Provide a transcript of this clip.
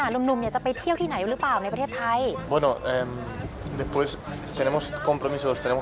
หนุ่มจะไปเที่ยวที่ไหนหรือเปล่าในประเทศไทย